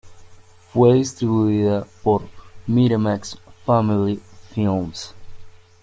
Fue distribuida por Miramax Family Films.